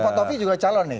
pak taufik juga calon nih